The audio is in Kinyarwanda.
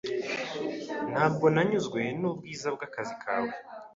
Ntabwo nanyuzwe nubwiza bwakazi kawe.